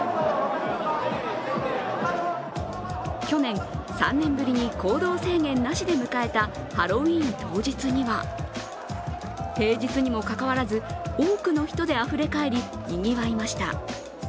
去年、３年ぶりに行動制限なしで迎えたハロウィーン当日には平日にもかかわらず、多くの人であふれ返りにぎわいました。